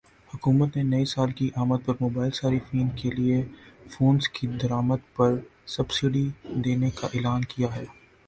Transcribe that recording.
حکومت نے نئی سال کی آمد پر موبائل صارفین کے لیے فونز کی درآمد پرسبسڈی دینے کا اعلان کیا ہے